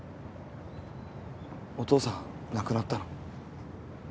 お父さん亡くなったの？